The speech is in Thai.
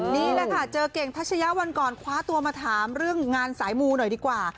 นี่แหละค่ะเจอเก่งทัชยะวันก่อนคว้าตัวมาถามเรื่องงานสายมูหน่อยดีกว่า